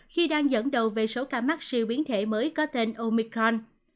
khi đang dẫn đầu về số ca mắc siêu biến thể mới có tên omicron